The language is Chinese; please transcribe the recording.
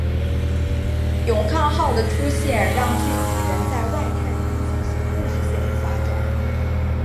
勇抗号的出现让剧集能在外太空进行故事线的发展。